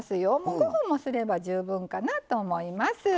５分もすれば十分かなと思います。